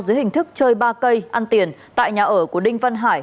dưới hình thức chơi ba cây ăn tiền tại nhà ở của đinh văn hải